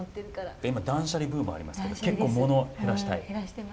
今断捨離ブームありますけど結構物減らしたい？